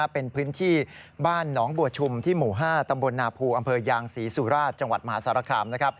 เป็นพื้นที่บ้านหนองบัวชุมที่หมู่๕ตำบลนาภูอำเภอยางศรีสุราชจังหวัดมหาสารคาม